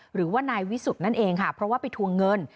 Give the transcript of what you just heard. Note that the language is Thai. หรือว่านายวิสุทธิ์นั่นเองค่ะเพราะว่าไปทวงเงิน